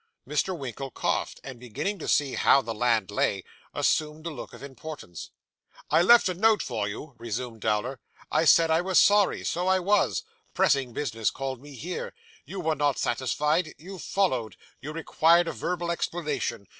Mr. Winkle coughed, and beginning to see how the land lay, assumed a look of importance. 'I left a note for you,' resumed Dowler. 'I said I was sorry. So I was. Pressing business called me here. You were not satisfied. You followed. You required a verbal explanation.